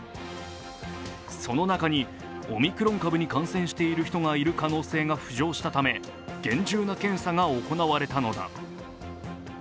その中にオミクロン株に感染している人がいる可能性が浮上したため厳重な検査が行われたのだ。